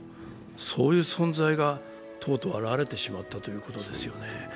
そういう存在がとうとう現れてしまったということですよね。